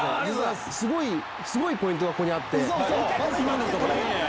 すごいポイントがここにあって。